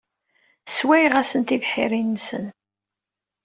Sswayeɣ-asen tibḥirt-nsen.